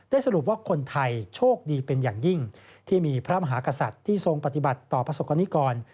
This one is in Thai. สรุปว่าคนไทยโชคดีเป็นอย่างยิ่งที่มีพระมหากษัตริย์ที่ทรงปฏิบัติต่อประสบกรณิกร